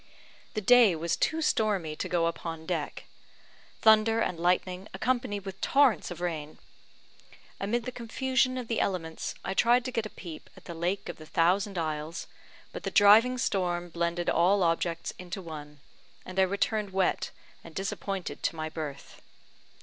The day was too stormy to go upon deck thunder and lightening, accompanied with torrents of rain. Amid the confusion of the elements, I tried to get a peep at the Lake of the Thousand Isles; but the driving storm blended all objects into one, and I returned wet and disappointed to my berth.